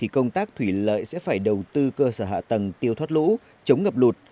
công tác thủy lợi sẽ phải đầu tư cơ sở hạ tầng tiêu thoát lũ chống ngập lụt